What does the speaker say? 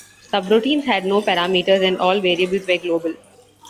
Subroutines had no parameters and all variables were global.